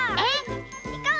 いこう！